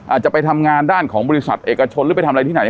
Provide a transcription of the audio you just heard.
อาจจะไปทำงานด้านของบริษัทเอกชนหรือไปทำอะไรที่ไหน